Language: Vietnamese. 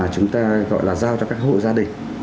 chúng ta gọi là giao cho các hộ gia đình